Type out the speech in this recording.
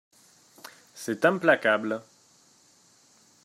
C’est implacable.